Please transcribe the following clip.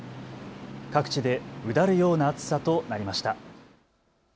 各地でうだるような暑さとなりました。